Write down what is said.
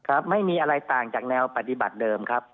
ไม่มีอะไรต่างจากแนวปฏิบัติเดิมครับ